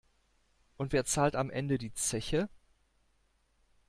Und wer zahlt am Ende die Zeche?